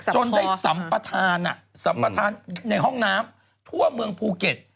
จนได้สัมปทานในห้องน้ำทั่วเมืองภูเก็ต